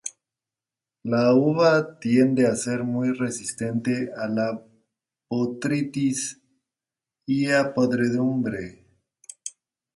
La uva tiende a ser muy resistente a la botrytis y a podredumbre.